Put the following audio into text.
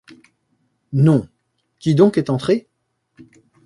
Non!... qui donc est entré?